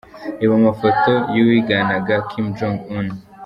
Reba amafoto y'uwiganaga Kim Jong Un:.